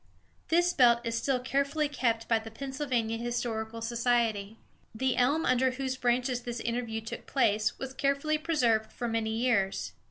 This belt is still carefully kept by the Pennsylvania Historical Society. The elm under whose branches this interview took place was carefully preserved for many years.